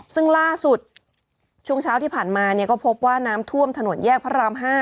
ซึ่งล่าสุดช่วงเช้าที่ผ่านมาก็พบว่าน้ำท่วมถนนแยกพระราม๕